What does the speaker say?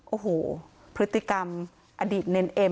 โอ้โหพฤติกรรมอดีตเนรเอ็ม